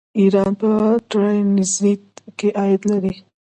ایران په ټرانزیټ کې عاید لري.